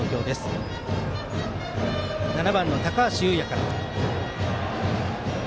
バッターは７番、高橋佑弥から。